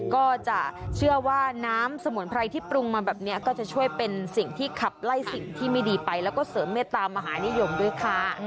ก็จะเชื่อว่าน้ำสมุนไพรที่ปรุงมาแบบนี้ก็จะช่วยเป็นสิ่งที่ขับไล่สิ่งที่ไม่ดีไปแล้วก็เสริมเมตตามหานิยมด้วยค่ะ